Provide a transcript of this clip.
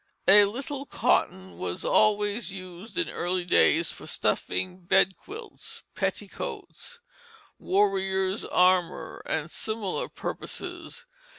A little cotton was always used in early days for stuffing bedquilts, petticoats, warriors' armor, and similar purposes.